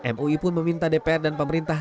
mui pun meminta dpr dan pemerintah